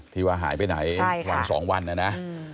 พี่ว่าหายไปไหนหวัง๒วันอะนะ